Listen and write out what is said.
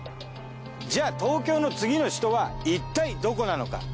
じゃあ東京の次の首都はいったいどこなのか？